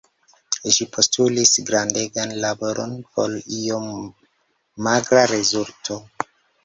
Ĝi postulis grandegan laboron por iom magra rezulto.